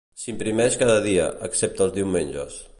S'imprimeix cada dia, excepte els diumenges.